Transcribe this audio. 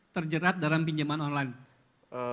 terjerat dalam pinjaman online